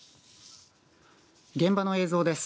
現場の映像です。